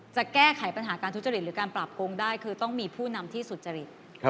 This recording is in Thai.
จะแก้ไขปัญหาการทุจริตหรือการปรับปรุงได้คือต้องมีผู้นำที่สุจริต